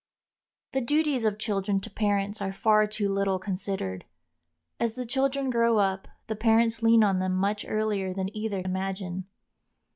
The duties of children to parents are far too little considered. As the children grow up the parents lean on them much earlier than either imagine.